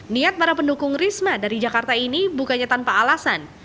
niat para pendukung risma dari jakarta ini bukannya tanpa alasan